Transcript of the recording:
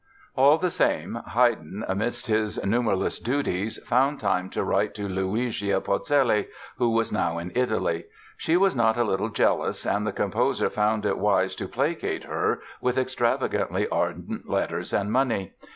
All the same, Haydn amid his numberless duties, found time to write to Luigia Polzelli, who was now in Italy. She was not a little jealous and the composer found it wise to placate her with extravagantly ardent letters and money.